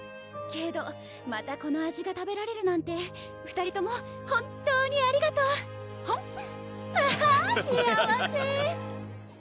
けどまたこの味が食べられるなんて２人ともほんっとうにありがとう！はむっあ幸せ！